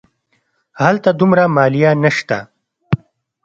هلته دومره مالیه نه شته.